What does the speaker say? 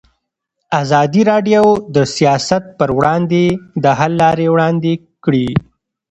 ازادي راډیو د سیاست پر وړاندې د حل لارې وړاندې کړي.